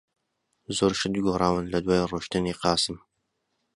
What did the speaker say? زۆر شت گۆڕاون لەدوای ڕۆیشتنی قاسم.